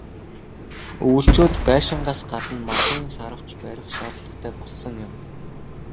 Өвөлжөөнд байшингаас гадна малын "саравч" барих шаардлагатай болсон юм.